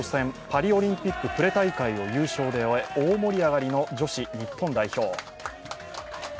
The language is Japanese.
パリオリンピックプレ大会を終え大盛り上がりの女子日本代表。